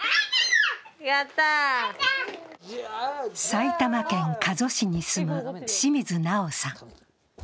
埼玉県加須市に住む清水尚雄さん。